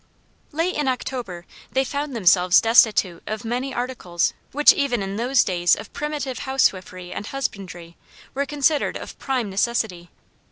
Late in October they found themselves destitute of many articles which even in those days of primitive housewifery and husbandry, were considered of prime necessity.